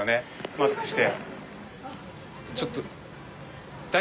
マスクして。